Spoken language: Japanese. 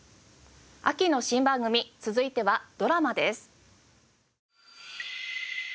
秋の新番組続いてはドラマです。